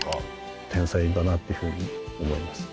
天才だなっていう風に思います。